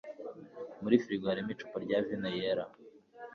Muri firigo harimo icupa rya vino yera.